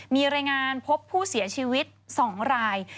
มีรายงานพบผู้เสียชีวิต๒ราย